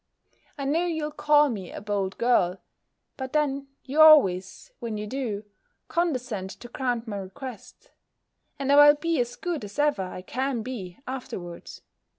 I know you'll call me a bold girl; but then you always, when you do, condescend to grant my request: and I will be as good as ever I can be afterwards.